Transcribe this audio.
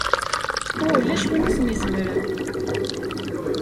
Ulac win i sen-izemren!